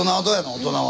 大人は。